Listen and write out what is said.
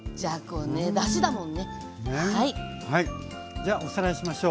じゃあおさらいしましょう。